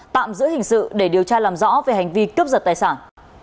tạm giữ hình sự để điều tra làm rõ về hành vi cướp giật tài sản